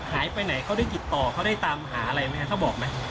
หายไปไหนเขาได้ติดต่อเขาได้ตามหาอะไรไหมครับเขาบอกไหม